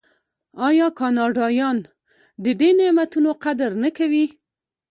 آیا کاناډایان د دې نعمتونو قدر نه کوي؟